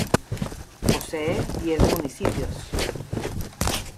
Posee diez municipios.